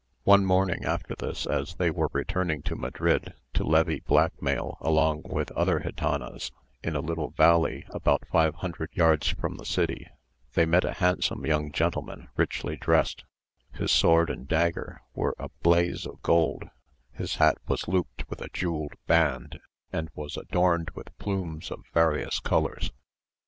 One morning after this as they were returning to Madrid to levy black mail along with other gitanas, in a little valley about five hundred yards from the city, they met a handsome young gentleman richly dressed; his sword and dagger were a blazo of gold; his hat was looped with a jewelled band, and was adorned with plumes of various colours.